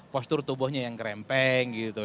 postur tubuhnya yang kerempeng gitu